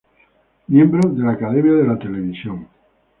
Miembro de la Academia de la Televisión.